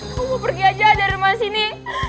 aku mau pergi aja dari rumah sini